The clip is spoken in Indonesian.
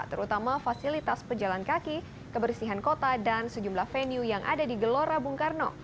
terutama fasilitas pejalan kaki kebersihan kota dan sejumlah venue yang ada di gelora bung karno